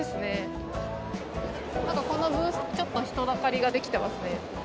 このブースちょっと人だかりができてますね。